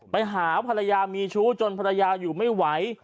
ไปหาภรรยามีชู้จนภรรยาอยู่ไม่ไหว